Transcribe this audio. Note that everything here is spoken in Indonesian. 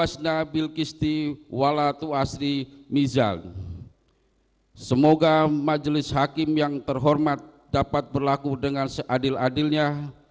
semoga majelis hakim yang terhormat dapat berlaku dengan seadil adilnya